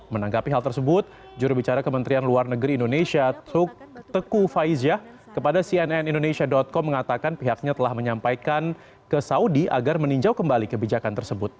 menanggapi hal tersebut jurubicara kementerian luar negeri indonesia teku faiza kepada cnn indonesia com mengatakan pihaknya telah menyampaikan ke saudi agar meninjau kembali kebijakan tersebut